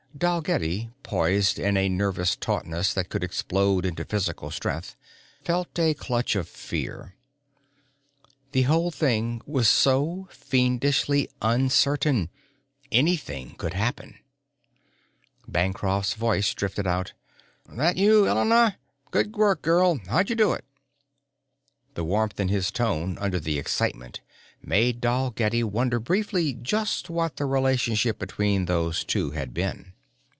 Dalgetty, poised in a nervous tautness that could explode into physical strength, felt a clutch of fear. The whole thing was so fiendishly uncertain anything could happen. Bancroft's voice drifted out. "That you, Elena? Good work, girl! How'd you do it?" The warmth in his tone, under the excitement, made Dalgetty wonder briefly just what the relationship between those two had been.